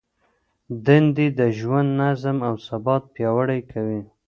دندې د ژوند نظم او ثبات پیاوړی کوي.